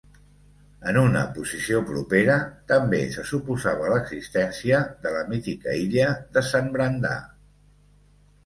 En una posició propera, també se suposava l'existència de la mítica illa de Sant Brandà.